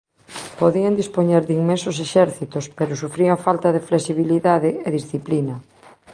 Podían dispoñer de inmensos exércitos pero sufrían falta de flexibilidade e disciplina.